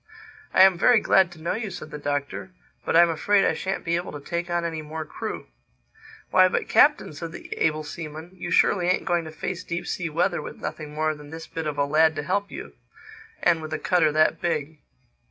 "I am very glad to know you," said the Doctor. "But I'm afraid I shan't be able to take on any more crew." "Why, but Captain," said the able seaman, "you surely ain't going to face deep sea weather with nothing more than this bit of a lad to help you—and with a cutter that big!"